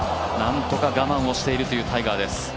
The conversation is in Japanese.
なんとか我慢をしているというタイガーです。